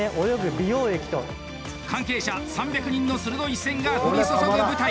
関係者３００人の鋭い視線が降り注ぐ舞台。